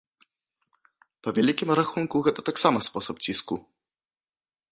Па вялікім рахунку, гэта таксама спосаб ціску.